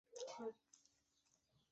会不会有夜景